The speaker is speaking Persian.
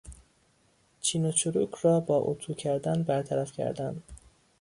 چین و چروک را با اطو کردن برطرف کردن